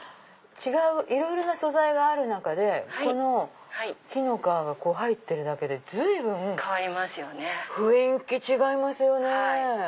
いろいろな素材がある中で木の皮が入ってるだけで随分雰囲気違いますよね。